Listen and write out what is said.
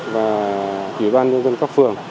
và ủy ban nhân dân các phường